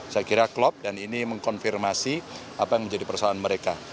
saya kira klop dan ini mengkonfirmasi apa yang menjadi persoalan mereka